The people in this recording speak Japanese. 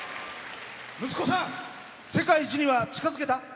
息子さん、世界一には近づけた？